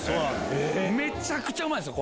めちゃくちゃうまいんすよ！